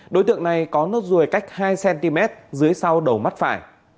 đối tượng này có nốt ruồi cách hai cm dưới sau đầu mắt phải